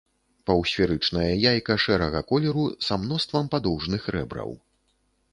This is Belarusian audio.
Паўсферычнае яйка шэрага колеру са мноствам падоўжных рэбраў.